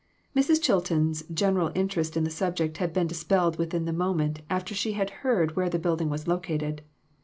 Mrs. Chilton's general interest in the subject had been dispelled within the moment after she had heard where the building was located.